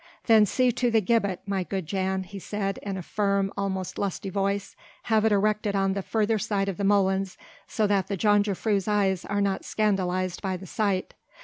"Then see to the gibbet, my good Jan," he said in a firm almost lusty voice, "have it erected on the further side of the molens so that the jongejuffrouw's eyes are not scandalized by the sight.